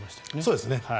そうですね。